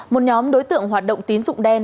một nhóm đối tượng hoạt động tín dụng đen